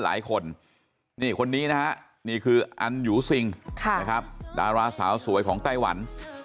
หลายคนนี่คนนี้นะฮะนี่คืออันยูซิงนะครับดาราสาวสวยของไต้หวัน